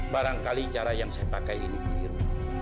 barangkali cara yang saya pakai ini biru